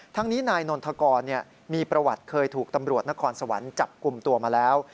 ทั้งนี้นายนนทกรมีประวัติเคยถูกตำรวจนครสวรรค์จับกลุ่มตัวมาแล้ว